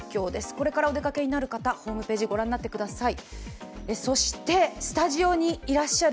これからお出かけになる方ホームページをご覧になってください。